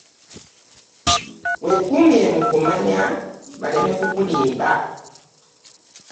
Weekuumire mu kumanya baleme kukulimba.